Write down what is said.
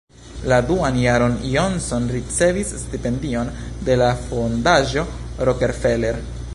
La duan jaron Johnson ricevis stipendion de la fondaĵo Rockefeller.